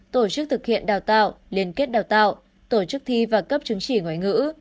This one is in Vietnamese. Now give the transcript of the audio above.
tổ chức thực hiện đào tạo liên kết đào tạo tổ chức thi và cấp chứng chỉ ngoại ngữ